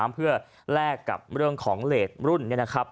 เพื่อแลกกับเรื่องของเหลดรุ่นนี้นะครับ